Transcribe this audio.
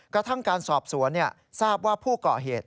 กระทั่งการสอบสวนทราบว่าผู้ก่อเหตุ